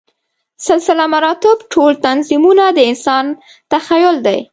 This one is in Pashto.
سلسله مراتبو ټول نظمونه د انسان تخیل دی.